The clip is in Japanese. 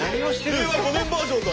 令和５年バージョンだ。